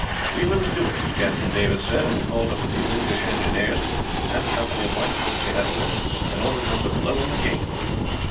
"'We will do it,' Captain Davis said, and called up a few English engineers, and a company of white troops he had with him, and ordered them to blow in the gate.